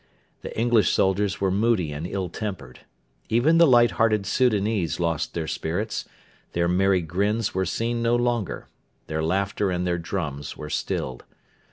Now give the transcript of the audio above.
The English soldiers were moody and ill tempered. Even the light hearted Soudanese lost their spirits; their merry grins were seen no longer; their laughter and their drums were stilled.